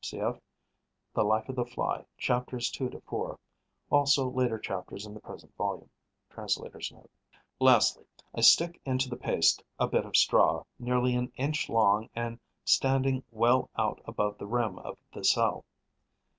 (Cf. "The Life of the Fly": chapters 2 to 4; also later chapters in the present volume. Translator's Note.) Lastly, I stick into the paste a bit of straw nearly an inch long and standing well out above the rim of the cell.